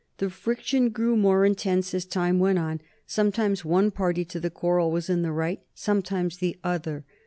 The friction grew more intense as time went on. Sometimes one party to the quarrel was in the right, sometimes the other.